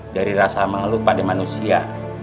dari rasa mengeluh pada manusia